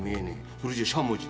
それじゃしゃもじだ。